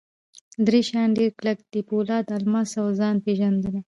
درې شیان ډېر کلک دي: پولاد، الماس اوځان پېژندنه.